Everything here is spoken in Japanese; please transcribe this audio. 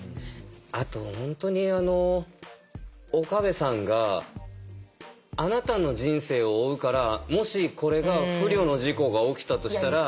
あと本当にあの岡部さんが「あなたの人生を負うからもしこれが不慮の事故が起きたとしたら」。